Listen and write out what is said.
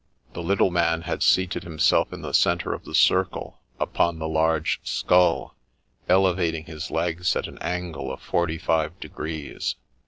' The little man had seated himself in the centre of the circle upon the large skull, elevating his legs at an angle of forty five degrees.